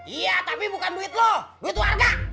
iya tapi bukan duit loh duit warga